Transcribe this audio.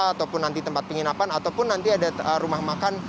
ataupun nanti tempat penginapan ataupun nanti ada rumah makan